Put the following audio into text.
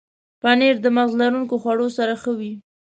پنېر د مغز لرونکو خوړو سره ښه وي.